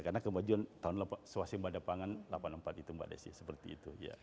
karena kemajuan tahun sosembah ada pangan seribu sembilan ratus delapan puluh empat itu mbak desi seperti itu